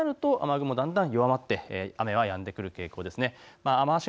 ただ夜遅くなると雨雲だんだん弱まって雨がやんでくる傾向です。